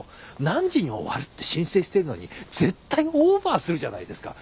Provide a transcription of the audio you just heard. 何時に終わるって申請してるのに絶対オーバーするじゃないですか。